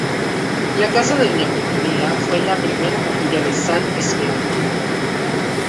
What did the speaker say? La casa de Doña Petronila fue la primera capilla de San Expedito.